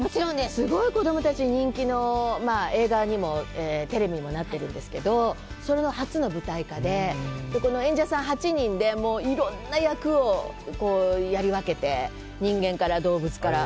すごい子供たちに人気の映画、テレビにもなってるんですけどその初の舞台化で演者さん８人でいろんな役をやり分けて人間から動物から。